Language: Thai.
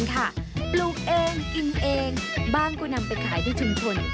กินเองบ้านก็นำไปขายที่ชุมชน